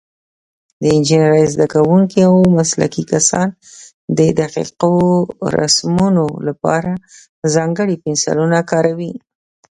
د انجینرۍ زده کوونکي او مسلکي کسان د دقیقو رسمونو لپاره ځانګړي پنسلونه کاروي.